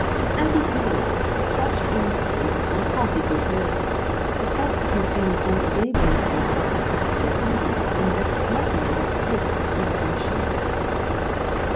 And he whittled with such industry and hearty good will, that but for his being called away very soon, it must have disappeared bodily, and left nothing in its place but grist and shavings.